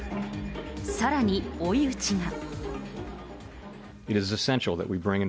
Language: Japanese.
さらに追い打ちが。